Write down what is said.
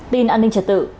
tin an ninh trật tự